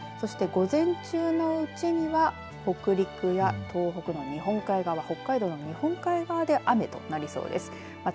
そして午前中のうちには北陸や東北の日本海側北海道の日本海側で雨となりそうです。